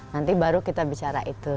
nanti baru kita bicara itu